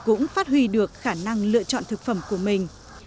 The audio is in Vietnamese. chị dương cũng phát huy được khả năng lựa chọn thực phẩm của mình